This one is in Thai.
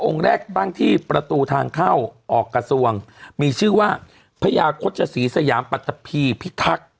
แรกตั้งที่ประตูทางเข้าออกกระทรวงมีชื่อว่าพญาโฆษศรีสยามปัตตะพีพิทักษ์